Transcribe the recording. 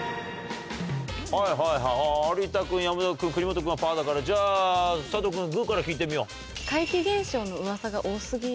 はいはいはい有田君山崎君国本君はパーだからじゃあ佐藤君グーから聞いてみよう。